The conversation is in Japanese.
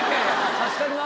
助かります。